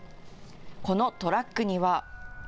このトラックには。